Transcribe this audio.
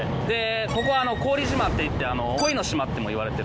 ここ古宇利島っていって恋の島ってもいわれてるんですね。